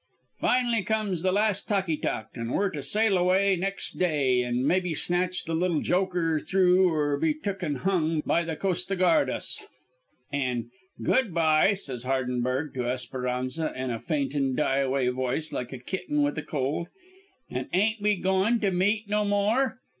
"Fin'ly comes the last talky talk an' we're to sail away next day an' mebbee snatch the little Joker through or be took an' hung by the Costa Guardas. "An' 'Good by,' says Hardenberg to Esperanza, in a faintin', die away voice like a kitten with a cold. 'An' ain't we goin' to meet no more?'